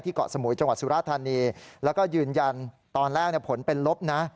เกาะสมุยจังหวัดสุราธานีแล้วก็ยืนยันตอนแรกผลเป็นลบนะ